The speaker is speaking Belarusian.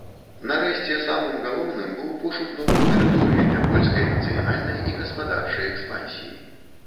Нарэшце, самым галоўным быў пошук новых тэрыторый для польскай нацыянальнай і гаспадарчай экспансіі.